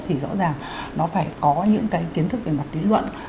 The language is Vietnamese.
thì rõ ràng nó phải có những cái kiến thức về mặt lý luận